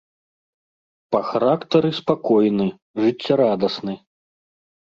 Па характары спакойны, жыццярадасны.